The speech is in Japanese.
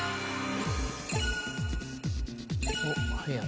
「おっ速い」